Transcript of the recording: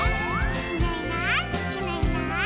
「いないいないいないいない」